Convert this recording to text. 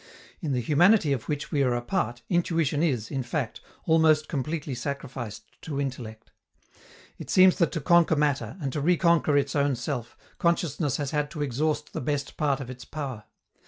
In the humanity of which we are a part, intuition is, in fact, almost completely sacrificed to intellect. It seems that to conquer matter, and to reconquer its own self, consciousness has had to exhaust the best part of its power.